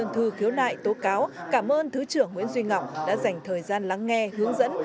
thư khiếu nại tố cáo cảm ơn thứ trưởng nguyễn duy ngọc đã dành thời gian lắng nghe hướng dẫn